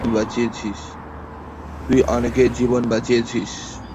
তুই অনেকের জীবন বাঁচিয়েছিস।